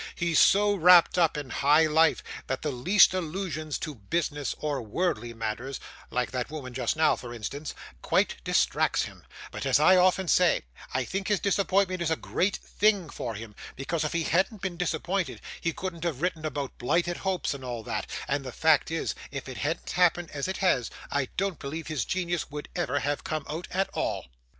He's so wrapped up in high life, that the least allusion to business or worldly matters like that woman just now, for instance quite distracts him; but, as I often say, I think his disappointment a great thing for him, because if he hadn't been disappointed he couldn't have written about blighted hopes and all that; and the fact is, if it hadn't happened as it has, I don't believe his genius would ever have come out at all.